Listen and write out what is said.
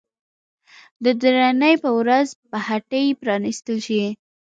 د درېنۍ په ورځ به هټۍ پرانيستل شي.